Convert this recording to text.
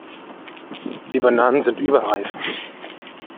Die Bananen sind überreif.